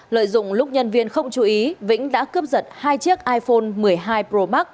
lợi dụng lúc nhân viên không chú ý vĩnh đã cướp giật hai chiếc iphone một mươi hai pro max